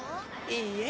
いいえ